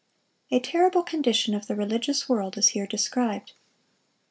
A terrible condition of the religious world is here described.